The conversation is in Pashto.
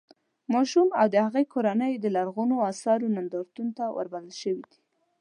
ماشوم او د هغه کورنۍ د لرغونو اثارو نندارتون ته رابلل شوي دي.